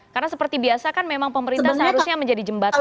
karena seperti biasa kan memang pemerintah seharusnya menjadi jembatan